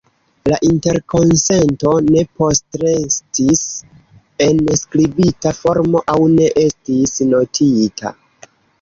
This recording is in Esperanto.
La interkonsento ne postrestis en skribita formo aŭ ne estis notita.